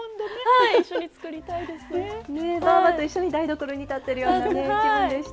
ねえばぁばと一緒に台所に立ってるようなね気分でした。